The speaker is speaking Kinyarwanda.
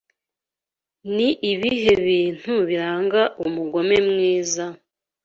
Ni ibihe bintu biranga umugome mwiza?